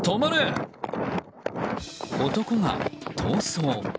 男が逃走。